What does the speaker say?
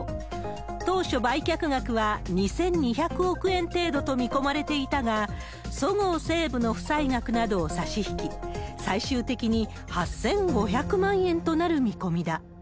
当初、売却額は２２００億円程度と見込まれていたが、そごう・西武の負債額などを差し引き、最終的に８５００万円となる見込みだ。